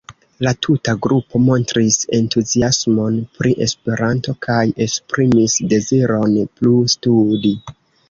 La tuta grupo montris entuziasmon pri Esperanto kaj esprimis deziron plu studi.